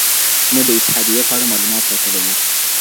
موږ د اتحاديې په اړه معلومات راټولوو.